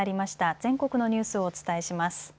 全国のニュースをお伝えします。